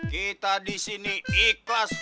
kita disini ikhlas